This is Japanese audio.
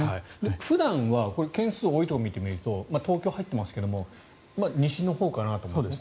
普段は件数多いところを見てみると東京、入っていますけど西のほうかなと思いますね。